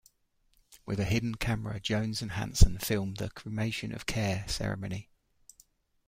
With a hidden camera, Jones and Hanson filmed the "Cremation of Care" ceremony.